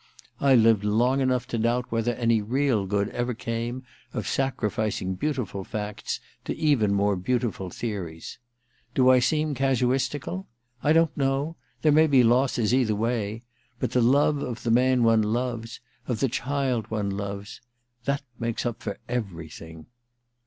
I've lived long enough to doubt whether any real good ever came of sacrificing beautiful facts to even more beautiful theories. Do I seem casuistical ? I don't know — there n THE QUICKSAND 297 may be losses either way ... but the love of the man one loves ... of the child one loves ... that makes up for everything.